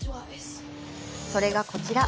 それが、こちら。